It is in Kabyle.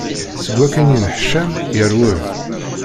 Seg wakken yeneḥcam, yerwel.